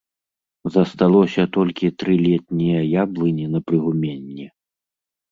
Засталося толькі тры летнія яблыні на прыгуменні.